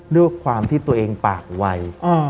ด้วยความที่ตัวเองปากไว